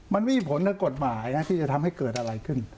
มันไม่มีผลทางกฎหมายนะที่จะทำให้เกิดอะไรขึ้น